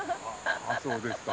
あそうですか。